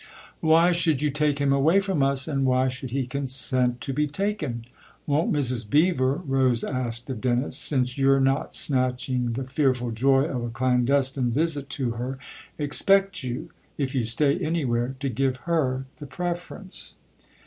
"Why should you take him away from us and why should he consent to be taken ? Won't Mrs. Beever," Rose asked of Dennis " since you're not snatching the fearful joy of a clandestine visit to her expect you, if you stay anywhere, to give her the preference